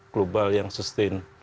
global yang sustain